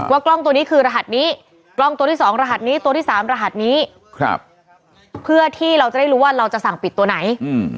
กล้องตัวนี้คือรหัสนี้กล้องตัวที่๒รหัสนี้ตัวที่สามรหัสนี้เพื่อที่เราจะได้รู้ว่าเราจะสั่งปิดตัวไหน